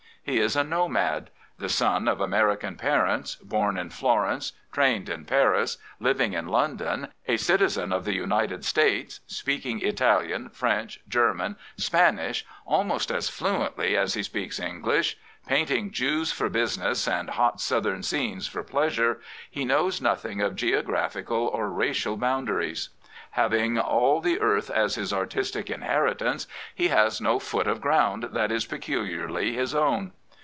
He is a nomad. The son of American parents, born in Florence, trained in Paris, living in London, a citizen of the United States, speaking Italian, French, German. 38 John Singer Sargent Spanish, almost as fluently as he speaks English, painting Jews for business and hot southern scenes for pleasure, he knows nothing of geographical or racial boundaries. Having all the earth as his artistic inheritance, he has no foot of ground thart is peculiarly his own.